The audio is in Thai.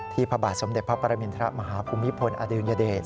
พระบาทสมเด็จพระปรมินทรมาฮภูมิพลอดุญเดช